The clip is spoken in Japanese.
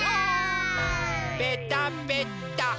ぺたぺた。